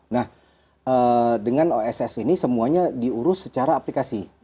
nah dengan oss ini semuanya diurus secara aplikasi